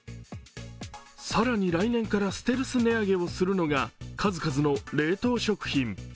更に来年からステルス値上げをするのが数々の冷凍食品。